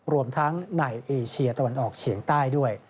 รวมทั้งในเอเชียตะวันออกเฉียงใต้ด้วย